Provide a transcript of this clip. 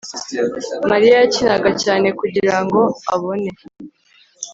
mariya yakinaga cyane kugirango abone